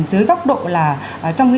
dưới góc độ là trong